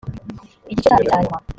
igice cya byo cya nyuma.